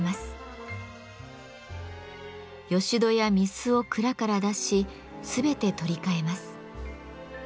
よし戸や御簾を蔵から出し全て取り替えます。